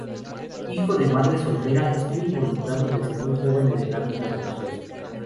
Hijo de madre soltera, estuvo involucrado desde muy joven en el ámbito religioso.